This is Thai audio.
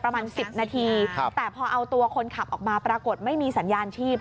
ประมาณ๑๐นาทีแต่พอเอาตัวคนขับออกมาปรากฏไม่มีสัญญาณชีพ